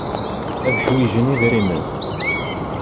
Ad ḥwijen idrimen.